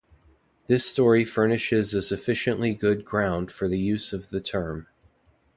This story furnishes a sufficiently good ground for the use of the term.